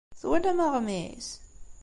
Twalam aɣmis?